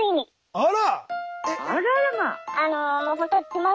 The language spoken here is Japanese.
あら。